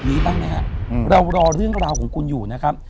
นี้บ้างไหมฮะเรารอเรื่องราวของคุณอยู่นะครับ